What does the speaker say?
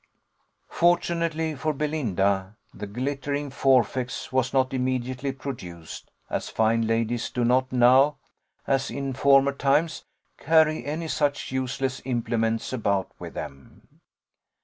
Fortunately for Belinda, "the glittering forfex" was not immediately produced, as fine ladies do not now, as in former times, carry any such useless implements about with them.